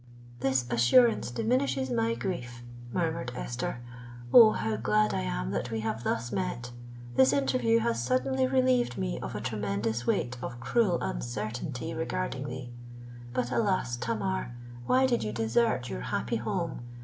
"—"This assurance diminishes my grief," murmured Esther. "Oh! how glad I am that we have thus met: this interview has suddenly relieved me of a tremendous weight of cruel uncertainty regarding thee! But, alas! Tamar, why did you desert your happy home?